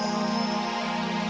kalian udah mulai menang